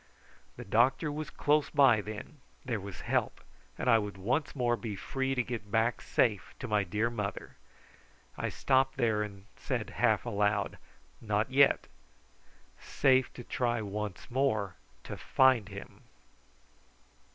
The doctor was close by, then. There was help, and I would once more be free to get back safe to my dear mother. I stopped there and said half aloud: "Not yet safe to try once more to find him."